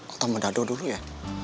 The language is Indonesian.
atau sama dado dulu ya